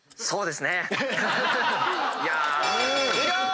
そうですね